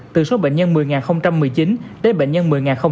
từ số bệnh nhân một mươi một mươi chín đến bệnh nhân một mươi ba mươi tám